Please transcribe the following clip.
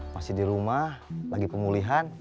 masih di rumah lagi pemulihan